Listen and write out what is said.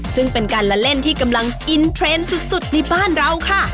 ซึ่งเป็นการละเล่นที่กำลังอินเทรนด์สุดในบ้านเราค่ะ